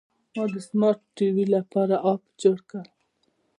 ما د سمارټ ټي وي لپاره اپ جوړ کړ.